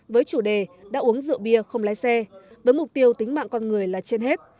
với chủ đề đã uống rượu bia không lái xe với mục tiêu tính mạng con người là trên hết